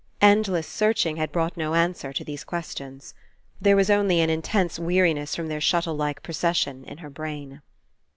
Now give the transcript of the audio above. Endless searching had brought no answer to these questions. There was only an Intense weariness from their shuttle like procession In her brain.